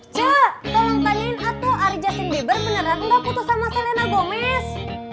cak tolong tanyain aku ari justin bieber beneran nggak putus sama selena gomez